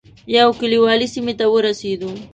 یو کلیوالي سیمې ته ورسېدو.